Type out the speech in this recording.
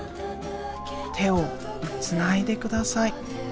てをつないでください」。